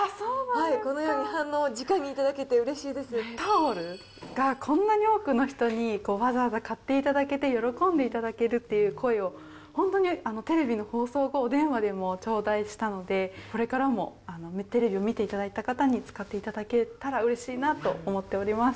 このように反応をじかにタオルがこんなに多くの人にわざわざ買っていただけて、喜んでいただけるって声を本当にテレビの放送後、お電話でも頂戴したので、これからもテレビを見ていただいた方に使っていただけたらうれしいなと思っております。